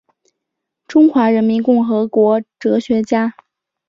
中华人民共和国哲学家。